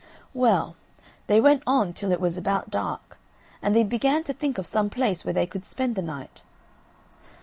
Well, they went on till it was about dark, and they began to think of some place where they could spend the night.